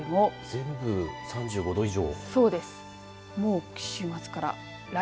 全部３５度以上。